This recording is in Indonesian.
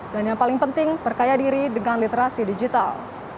dan yang paling penting berkaya diri dengan literasi digital